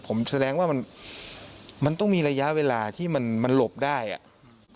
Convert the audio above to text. ผมแสดงว่ามันมันต้องมีระยะเวลาที่มันมันหลบได้อ่ะ